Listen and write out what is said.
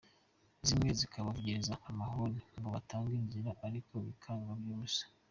Zimwe zikabavugiriza amahoni ngo batange inzira ariko bikaba iby’ubusa.